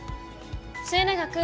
末永くん。